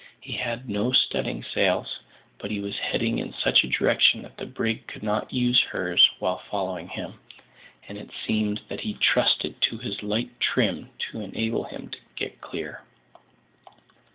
He had no studding sails, but he was heading in such a direction that the brig could not use hers while following him, and it seemed that he trusted to his light trim to enable him to get clear.